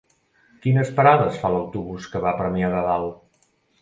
Quines parades fa l'autobús que va a Premià de Dalt?